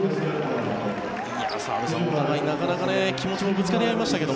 澤部さん、お互いになかなか気持ちもぶつかり合いましたけど。